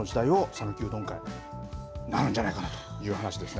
讃岐うどん界なるんじゃないかということですね。